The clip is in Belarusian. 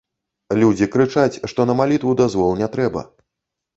Людзі крычаць, што на малітву дазвол не трэба.